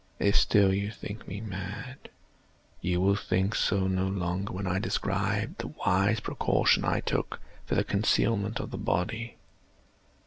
If still you think me mad, you will think so no longer when I describe the wise precautions I took for the concealment of the body.